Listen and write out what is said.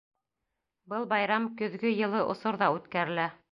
Был байрам көҙгө йылы осорҙа үткәрелә.